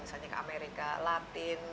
misalnya ke amerika latin